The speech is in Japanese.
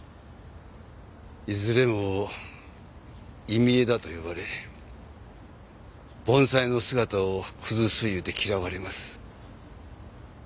いずれも忌み枝と呼ばれ盆栽の姿を崩すいうて嫌われます。